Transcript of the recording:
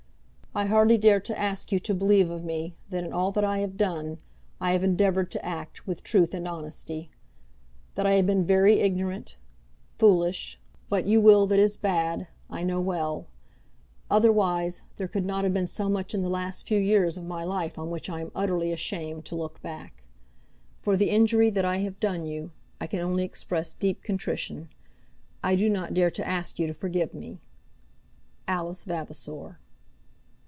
I hardly dare to ask you to believe of me that in all that I have done, I have endeavoured to act with truth and honesty. That I have been very ignorant, foolish, what you will that is bad, I know well; otherwise there could not have been so much in the last few years of my life on which I am utterly ashamed to look back. For the injury that I have done you, I can only express deep contrition. I do not dare to ask you to forgive me. ALICE VAVASOR."